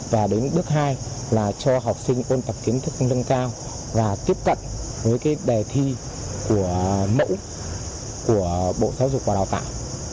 và đến bước hai là cho học sinh ôn tập kiến thức lưng cao và tiếp cận với cái đề thi của mẫu của bộ giáo dục và đào tạo